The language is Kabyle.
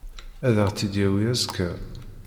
Ad aɣ-tt-id-yawi azekka.